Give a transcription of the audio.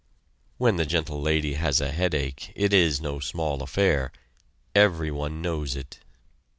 (When the Gentle Lady has a headache it is no small affair everyone knows it!)